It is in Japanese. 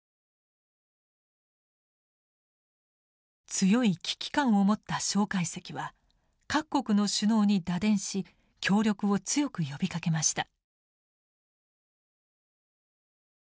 強い危機感を持った介石は各国の首脳に打電し協力を強く呼びかけました。